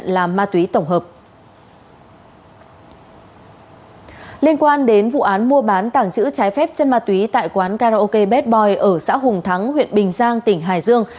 liên quan đến vụ án mua bán tảng chữ trái phép chân ma túy tại quán karaoke bad boy ở xã hùng thắng huyện bình giang tỉnh hải dương